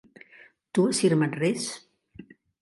Tu has firmat res?